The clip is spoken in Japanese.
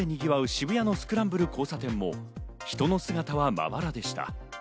渋谷のスクランブル交差点も人の姿はまばらでした。